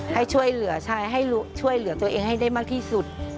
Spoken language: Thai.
ให้ช่วยเหลือใช่ให้ช่วยเหลือตัวเองให้ได้มากที่สุด